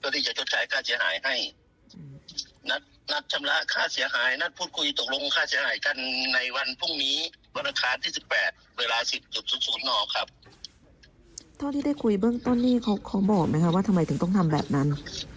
เท่าที่ได้คุยเบื้องต้นนี่เขาบอกไหมคะว่าทำไมถึงต้องทำแบบนั้น